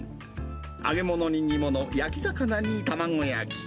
揚げ物に煮物、焼き魚に卵焼き。